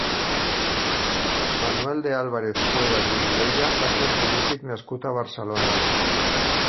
Manuel de Álvarez-Cuevas i Olivella va ser un polític nascut a Barcelona.